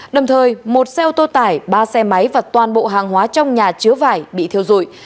đồng thời một xe ô tô tải ba xe máy và toàn bộ hàng hóa trong nhà chứa vải bị thiêu dụi